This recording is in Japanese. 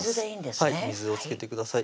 はい水を付けてください